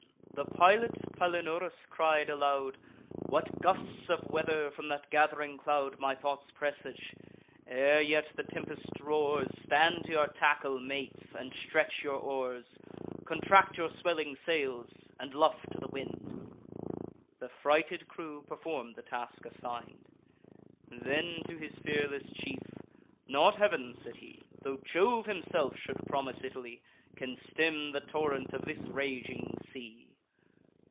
The pilot, Palinurus, cried aloud: "What gusts of weather from that gath'ring cloud My thoughts presage! Ere yet the tempest roars, Stand to your tackle, mates, and stretch your oars; Contract your swelling sails, and luff to wind." The frighted crew perform the task assign'd. Then, to his fearless chief: "Not Heav'n," said he, "Tho' Jove himself should promise Italy, Can stem the torrent of this raging sea.